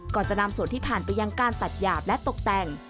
ก่อนจะนำส่วนที่ผ่านไปยังการตัดหยาบและตกแต่ง